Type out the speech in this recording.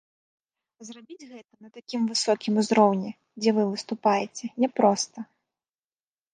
А зрабіць гэта на такім высокім узроўні, дзе вы выступаеце, няпроста.